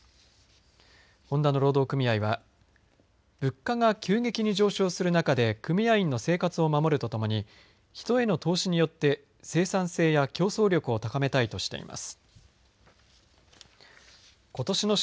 ホンダの労働組合は物価が急激に上昇する中で組合員の生活を守るとともに人への投資によって生産性や競争力を高めたいとしています。